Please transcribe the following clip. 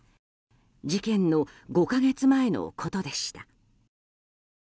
事件の５か月前のことでした。